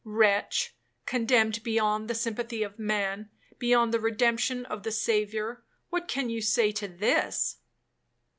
Wretch, condemned beyond the sympathy of man, beyond the redemption of the Saviour, what can you say to this?'